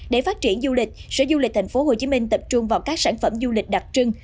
để phát triển du lịch sở du lịch thành phố hồ chí minh tập trung vào các sản phẩm du lịch đặc trưng